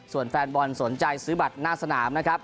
ส่วนแฟนบอลสนใจซื้อบัตรหน้าสนามนะครับ